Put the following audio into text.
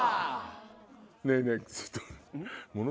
ねぇねぇちょっと。